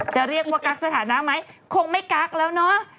จะเรียกว่ากักสถานะไหมคงไม่กักแล้วเนอะ